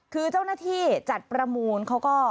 คือเจ้าหน้าที่จัดประมูลเขาก็